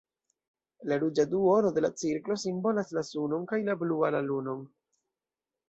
La ruĝa duono de la cirklo simbolas la sunon, kaj la blua la lunon.